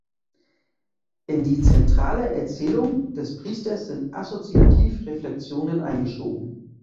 In die zentrale Erzählung des Priesters sind assoziativ Reflexionen eingeschoben.